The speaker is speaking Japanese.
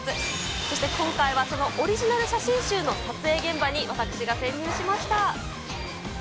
そして今回はそのオリジナル写真集の撮影現場に、私が潜入しました。